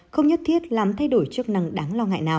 không nhất thiết làm thay đổi chức năng